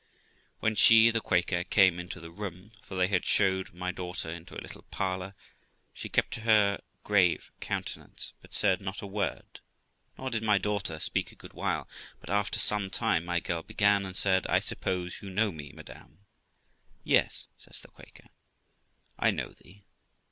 When she (the Quaker) came into the room (for they had showed my daughter into a little parlour), she kept her grave countenance, but said not a word, nor did my daughter speak a good while; but after some time my girl began, and said, ' I suppose you know me, madam ?'' Yes ', says the Quaker, 'I know thee.'